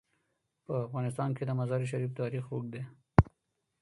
په افغانستان کې د مزارشریف تاریخ اوږد دی.